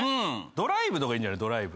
ドライブとかいいんじゃない？